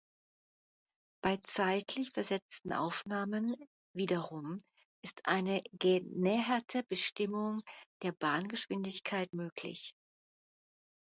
Bei zeitlich versetzten Aufnahmen wiederum ist eine genäherte Bestimmung der Bahngeschwindigkeit möglich.